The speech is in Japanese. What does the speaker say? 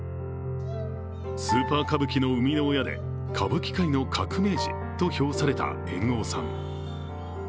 スーパー歌舞伎の生みの親で歌舞伎界の革命児と表された猿翁さん。